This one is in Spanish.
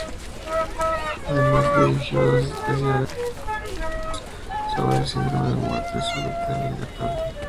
Además dirigió dos especiales televisivos sobre el síndrome de muerte súbita del lactante.